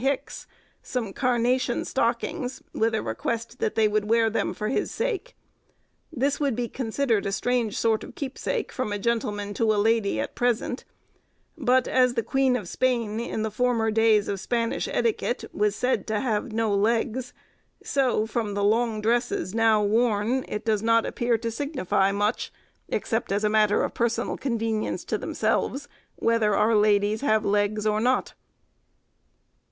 Hicks some carnation stockings, with a request that they would wear them for his sake. This would be considered a strange sort of keepsake from a gentleman to a lady at present; but, as the Queen of Spain, in the former days of Spanish etiquette, was said to have no legs; so, from the long dresses now worn, it does not appear to signify much, except as a matter of personal convenience to themselves, whether our ladies have legs or not.